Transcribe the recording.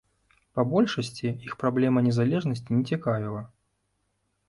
Па большасці іх праблема незалежнасці не цікавіла.